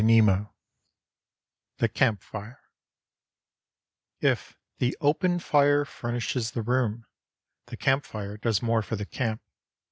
XXIII THE CAMP FIRE If "the open fire furnishes the room," the camp fire does more for the camp.